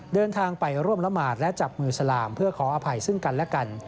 เดินทางไปร่วมละหมาดและจับมือสลามเพื่อขออภัยซึ่งกันและกัน